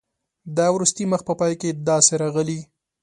د وروستي مخ په پای کې داسې راغلي.